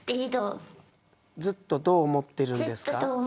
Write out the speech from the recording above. ずっとどう思ってるんですか。